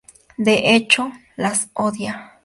De hecho, las odia.